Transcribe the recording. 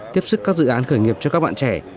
tiếp sức các dự án khởi nghiệp cho các bạn trẻ